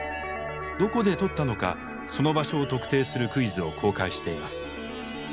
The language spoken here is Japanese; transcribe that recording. どこで撮ったのかその場所を特定するクイズを公開しています。